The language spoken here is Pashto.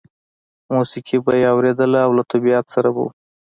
موسیقي به یې اورېدله او له طبیعت سره به و